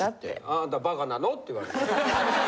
あなたバカなの？って言われた。